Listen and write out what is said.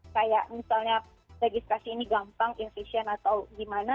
kayak misalnya legislasi ini gampang infisien atau gimana